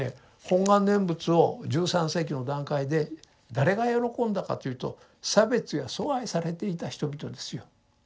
本願念仏を１３世紀の段階で誰が喜んだかというと差別や疎外されていた人々ですよ。